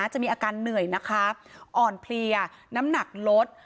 จะมีอาการเหนื่อยนะคะอ่อนเพลียน้ำหนักลด